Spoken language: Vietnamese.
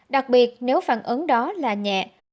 đặc biệt nếu phản ứng đó là nhẹ